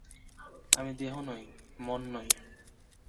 আমি দেহ নই, মন নই।